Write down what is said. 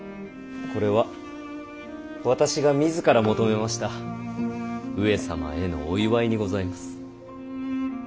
これは私が自ら求めました上様へのお祝いにございます。